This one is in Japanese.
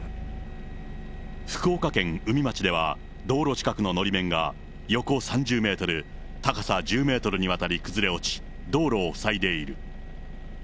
福岡県宇美町では、道路近くののり面が横３０メートル、高さ１０メートルにわたり崩れ落ち、道路を塞いでいる。